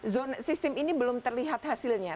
zone sistem ini belum terlihat hasilnya